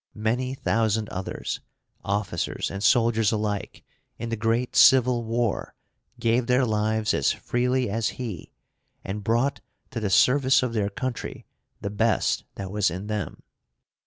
Many thousand others, officers and soldiers alike, in the great Civil War gave their lives as freely as he, and brought to the service of their country the best that was in them.